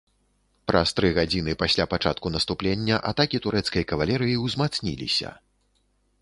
Праз тры гадзіны пасля пачатку наступлення атакі турэцкай кавалерыі ўзмацніліся.